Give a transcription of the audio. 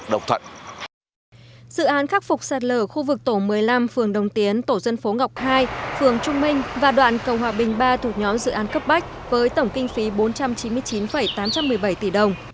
dự án khắc phục sạt lở khu vực tổ một mươi năm phường đồng tiến tổ dân phố ngọc hai phường trung minh và đoạn cầu hòa bình ba thuộc nhóm dự án cấp bách với tổng kinh phí bốn trăm chín mươi chín tám trăm một mươi bảy tỷ đồng